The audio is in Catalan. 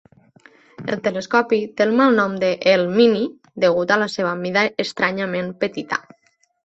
El telescopi té el malnom de "El Mini" degut a la seva mida estranyament petita.